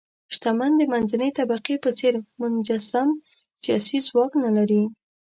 شتمن د منځنۍ طبقې په څېر منسجم سیاسي ځواک نه لري.